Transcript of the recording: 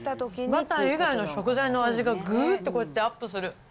バター以外の食材の味がぐーっとこうやってアップする。